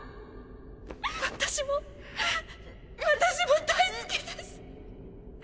私も私も大好きです！